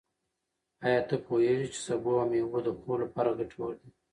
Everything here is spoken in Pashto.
ایا ته پوهېږې چې سبو او مېوې د خوب لپاره ګټور دي؟